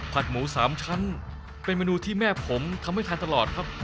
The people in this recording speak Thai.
หมูสามชั้นเป็นเมนูที่แม่ผมทำให้ทานตลอดครับ